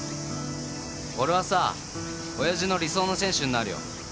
俺はさ親父の理想の選手になるよ。